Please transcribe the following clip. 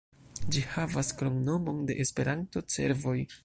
Ĝi havas kromnomon de Esperanto, "Cervoj".